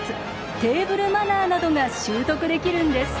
テーブルマナーなどが習得できるんです。